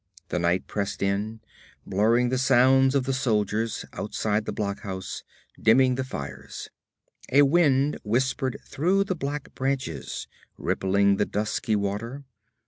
The night pressed in, blurring the sounds of the soldiers outside the blockhouse, dimming the fires. A wind whispered through the black branches, rippling the dusky water.